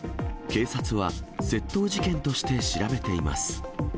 警察は、窃盗事件として調べています。